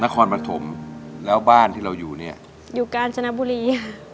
การจรบุรี